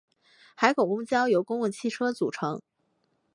海口公交由公共汽车组成。